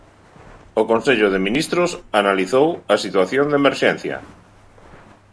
O Consello de Ministros analizou a situación de emerxencia.